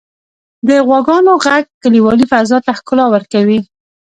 • د غواګانو ږغ کلیوالي فضا ته ښکلا ورکوي.